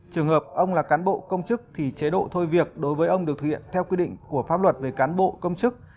trường hợp ông là cán bộ công chức thì chế độ thôi việc đối với ông được thực hiện theo quy định của pháp luật về cán bộ công chức